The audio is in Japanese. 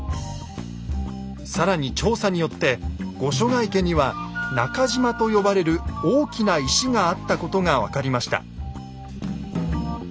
更に調査によって御所ヶ池には「中島」と呼ばれる大きな石があったことが分かりました。